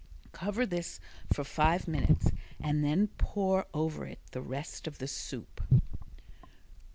Cover this for five minutes and then pour over it the rest of the soup.